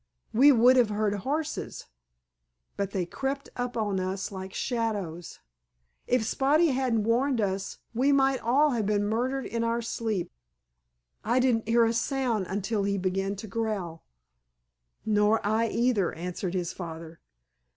We would have heard horses, but they crept up on us like shadows. If Spotty hadn't warned us we might all have been murdered in our sleep. I didn't hear a sound until he began to growl." "Nor I either," answered his father.